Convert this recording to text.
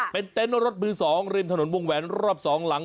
เป็นเต็นต์รถมือ๒ริมถนนวงแหวนรอบ๒หลัง